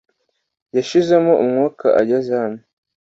Yashizemo umwuka ageze hano